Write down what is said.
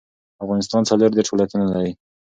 افغانستان څلور دیرش ولايتونه لري